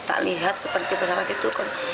tak lihat seperti pesawat itu kan